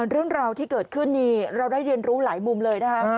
เรื่องราวที่เกิดขึ้นนี่เราได้เรียนรู้หลายมุมเลยนะคะ